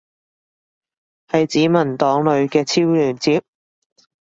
係指文檔裏嘅超連接？